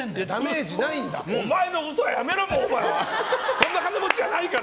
そんな金持ちじゃないから！